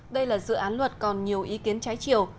đây là dự án luật còn nhiều ý kiến trái chiều